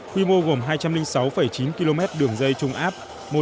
quy mô gồm hai trăm linh sáu chín km đường dây trung áp